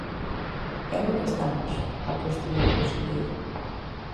É no que estamos, apostilou o conselleiro.